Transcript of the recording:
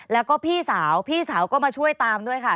แล้วก็พี่สาวพี่สาวก็มาช่วยตามด้วยค่ะ